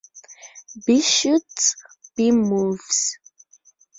B shoots, B moves.